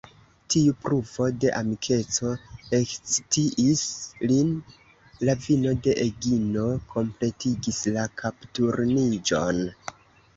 Tiu pruvo de amikeco ekscitis lin: la vino de Egino kompletigis la kapturniĝon.